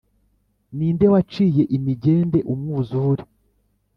“ni nde waciye imigende umwuzūre